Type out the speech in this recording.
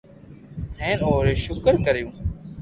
ھين اوري ݾڪر ڪريو